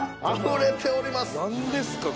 あふれております！